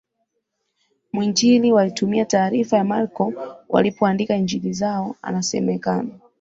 mwinjili walitumia taarifa ya Marko walipoandika Injili zao Anasemekana